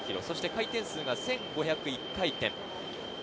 回転数が１５０１回転。